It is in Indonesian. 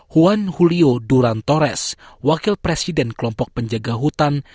juan julio duran torres wakil presiden kelompok penjaga hutan